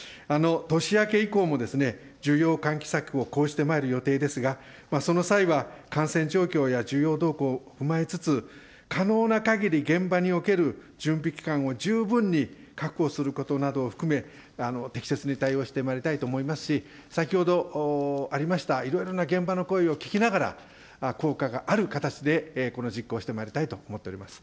年明け以降も需要喚起策を講じてまいる予定ですが、その際は感染状況や需要動向を踏まえつつ、可能なかぎり、現場における準備期間を十分に確保することなどを含め、適切に対応してまいりたいと思いますし、先ほどありました、いろいろな現場の声を聞きながら、効果がある形でこれを実行してまいりたいと思っております。